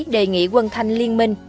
đề nghị quân thanh liên minh